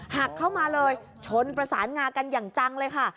หักเข้ามาเลยชนประสานงากันอย่างจังเลยค่ะ